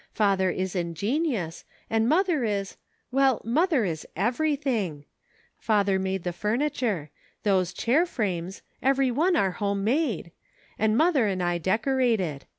Father is ingenious, and mother is — well, mother is everything. Father made the furniture — those chair frames, every one are home made — and mother and I decorated.